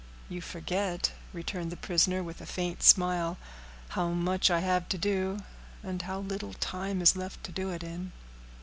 "You forget," returned the prisoner, with a faint smile, "how much I have to do, and how little time is left to do it in."